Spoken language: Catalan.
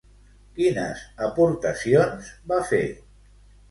Quines aportacions va fer?